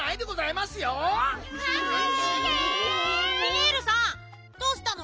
ピエールさんどうしたの？